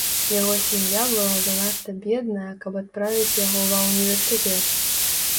Яго сям'я была занадта бедная, каб адправіць яго ва ўніверсітэт.